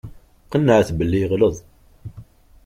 Qennɛeɣ-t belli yeɣleḍ.